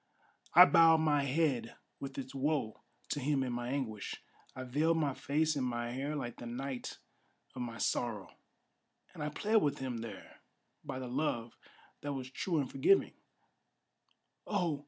I bowed my head with its woe to him in my anguish; I veiled my face in my hair like the night of my sorrow; And I plead with him there by the love that was true and forgiving: Oh!